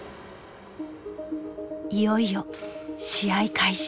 いよいよ試合開始。